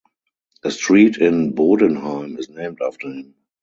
A street in Bodenheim is named after him.